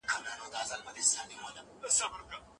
کلتور زموږ د زړونو پیوستون دی.